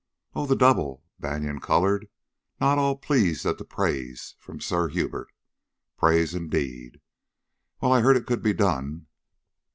"Oh, the double?" Banion colored, not ill pleased at praise from Sir Hubert, praise indeed. "Well, I'd heard it could be done."